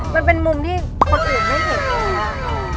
มันเป็นมุมที่คนอื่นไม่เห็นอีก